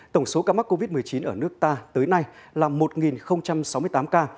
tổng số ca mắc covid một mươi chín ở nước ta tới nay là một sáu mươi tám ca